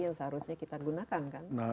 yang seharusnya kita gunakan kan